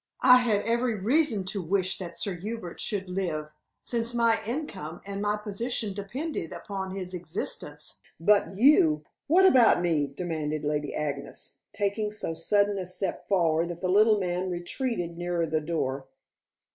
"I had every reason to wish that Sir Hubert should live, since my income and my position depended upon his existence. But you " "What about me?" demanded Lady Agnes, taking so sudden a step forward that the little man retreated nearer the door.